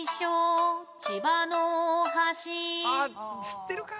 知ってるか？